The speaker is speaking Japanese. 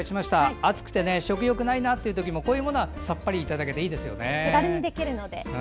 暑くて食欲ないなというときもこういうものはさっぱりいただけていいですよね。